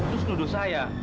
terus nuduh saya